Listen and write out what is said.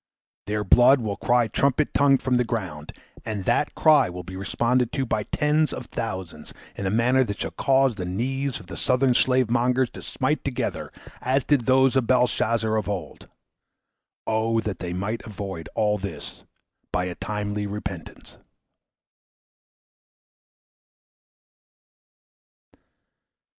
Their blood will cry trumpet tongued from the ground, and that cry will be responded to by tens of thousands in a manner that shall cause the knees of the Southern slave mongers to smite together as did those of Belshazzar of old! O that they might avoid all this by a timely repentance!